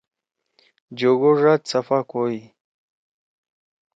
جوگو ڙاد صفا کوئی۔